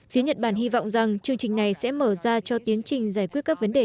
phía nhật bản hy vọng rằng chương trình này sẽ mở ra cho tiến trình giải quyết các vấn đề